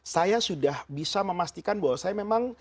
saya sudah bisa memastikan bahwa saya memang